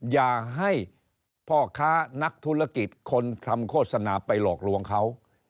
อย่าให้พ่อค้านักธุรกิจคนทำโฆษณาไปหลอกลวงเขา